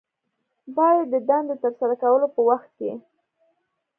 باید د دندې د ترسره کولو په وخت کې